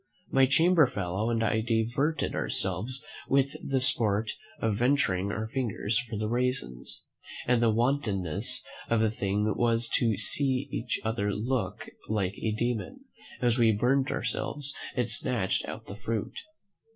My chamber fellow and I diverted ourselves with the sport of venturing our fingers for the raisins; and the wantonness of the thing was to see each other look like a demon, as we burnt ourselves, and snatched out the fruit.